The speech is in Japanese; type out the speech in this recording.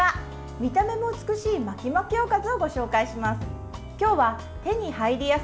見た目も美しい巻き巻きおかずをご紹介します。